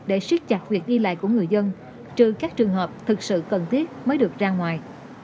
để siết chặt việc đi lại của người dân trừ các trường hợp thực sự cần thiết mới được ra ngoài